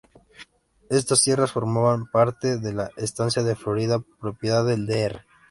Estas tierras formaban parte de la estancia La Florida, propiedad del Dr.